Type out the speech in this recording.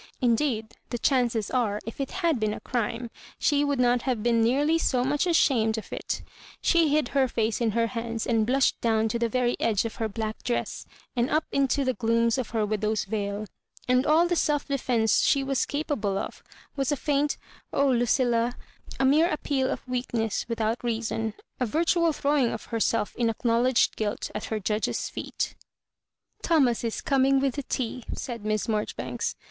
In deed the chances are, if it had been a crime, she would not have been nearly so much ashamed of it She bid her face in her hands and blushed down to the very edge of her black dress and up into the glooms of her widow's veil ; and all the self defence she was capable of was a faint " Oh, Lucilla I " a mere appeal of weakness with out reason — a virtual throwing of herself in acknowledged guilt at her judge's feet. "Thomas is coming with the tea," said Miss Marjoribanks.